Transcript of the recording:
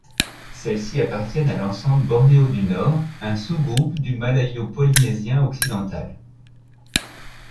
Celles-ci appartiennent à l'ensemble bornéo du nord un sous-groupe du malayo-polynésien occidental.